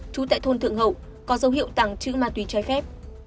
trú tại thôn thượng hậu có dấu hiệu tàng trữ ma túy trái phép